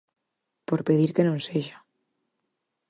Por pedir que non sexa...